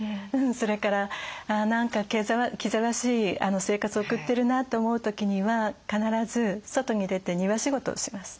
それから何か気ぜわしい生活を送ってるなと思う時には必ず外に出て庭仕事をします。